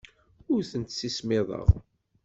Ur tent-ssismiḍeɣ.